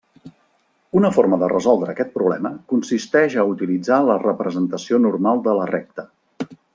Una forma de resoldre aquest problema consisteix a utilitzar la representació normal de la recta.